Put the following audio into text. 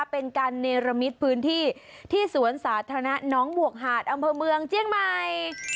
เป็นการเนรมิตพื้นที่ที่สวนสาธารณะน้องบวกหาดอำเภอเมืองเจียงใหม่